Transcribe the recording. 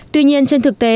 tuy nhiên trên thực tế